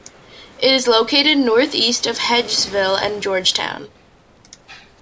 It is located northeast of Hedgesville and Georgetown.